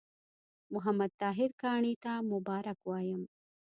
محمد طاهر کاڼي ته مبارکي وایم.